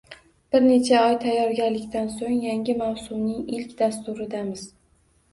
Bir necha oy tayyorgarlikdan so‘ng yangi mavsumning ilk dasturidamiz.